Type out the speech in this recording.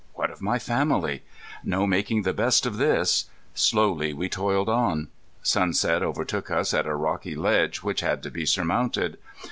What of my family? No making the best of this! Slowly we toiled on. Sunset overtook us at a rocky ledge which had to be surmounted.